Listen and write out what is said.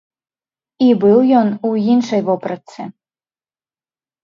І быў ён у іншай вопратцы.